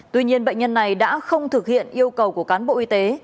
tuy nhiên bệnh nhân này đã không thực hiện yêu cầu của cán bộ y tế